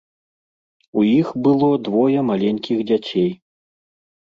У іх было двое маленькіх дзяцей.